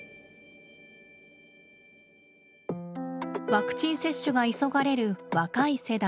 ワクチン接種が急がれる若い世代。